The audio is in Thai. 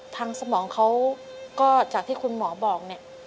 ทางสมองเขาก็จากที่คุณหมอบอก